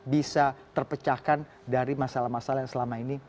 bisa terpecahkan dari masalah masalah yang selama ini